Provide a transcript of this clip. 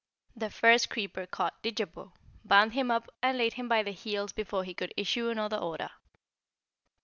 The first creeper caught Didjabo, bound him up and laid him by the heels before he could issue another order.